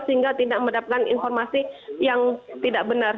sehingga tidak mendapatkan informasi yang tidak benar